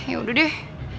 ya udah deh